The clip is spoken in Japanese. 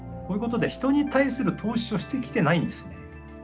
こういうことで人に対する投資をしてきてないんですね。